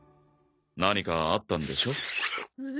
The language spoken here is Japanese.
何かあったんでしょ？